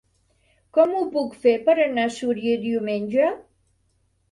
Com ho puc fer per anar a Súria diumenge?